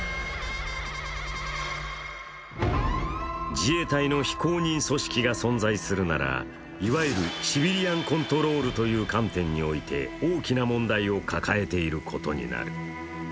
自衛隊の非公認組織が存在するならいわゆるシビリアンコントロールという観点において大きな問題を抱えていることになる。